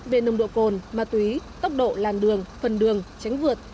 về nồng độ cồn ma túy tốc độ làn đường phần đường tránh vượt